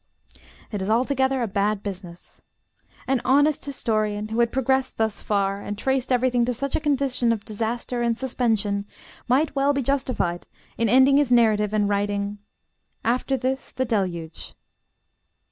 It is altogether a bad business. An honest historian, who had progressed thus far, and traced everything to such a condition of disaster and suspension, might well be justified in ending his narrative and writing "after this the deluge."